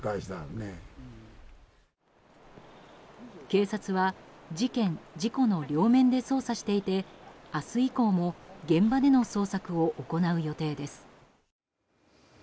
警察は事件・事故の両面で捜査していて明日以降も、現場での捜索を行う予定です。